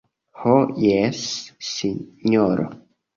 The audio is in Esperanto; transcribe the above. Ho jes, sinjoro.